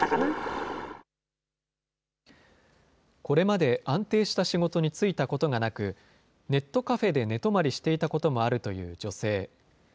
これまで安定した仕事に就いたことがなく、ネットカフェで寝泊まりしていたこともあるという女性。